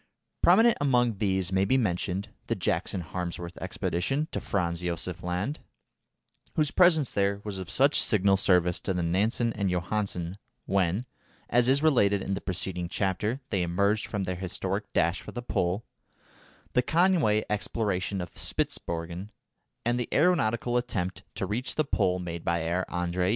Prominent among these may be mentioned the Jackson Harmsworth expedition to Franz Josef Land (whose presence there was of such signal service to Nansen and Johansen when, as is related in the preceding chapter, they emerged from their historic dash for the Pole), the Conway exploration of Spitzbergen, and the aeronautical attempt to reach the Pole made by Herr Andrée.